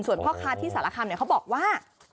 ส่วนพ่อค้าที่สารคำเขาบอกว่า